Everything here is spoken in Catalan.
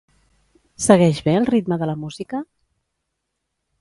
Segueix bé el ritme de la música?